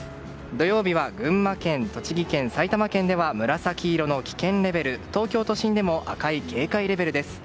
土曜日は群馬県、栃木県埼玉県では紫色の危険レベル東京都心でも赤い警戒レベルです。